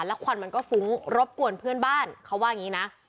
แล้วควันมันก็ฟุ้งรบกวนเพื่อนบ้านเขาว่าอย่างนี้นะ